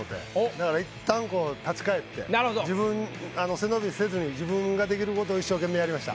だから一旦こう立ち返って自分背伸びせずに自分ができることを一生懸命やりました。